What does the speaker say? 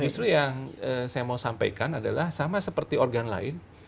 justru yang saya mau sampaikan adalah sama seperti organ lain